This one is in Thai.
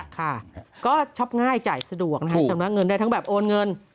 ค่ะก็ช็อปง่ายจ่ายสะดวกนะคะชำระเงินได้ทั้งแบบโอนเงิน